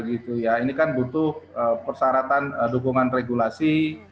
ini kan butuh persyaratan dukungan regulasi